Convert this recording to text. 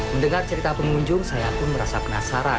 mendengar cerita pengunjung saya pun merasa penasaran